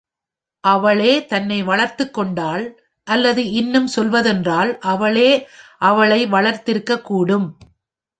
அவளே தன்னை வளர்த்துக்கொண்டாள், அல்லது இன்னும் சொல்வதென்றால் அவளே அவளை வளர்த்திருக்கக்கூடும்.